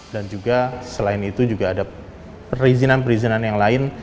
dan juga selain itu juga ada perizinan perizinan yang lain